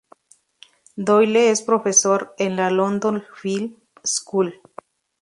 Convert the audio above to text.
Doyle es profesor en la London Film School.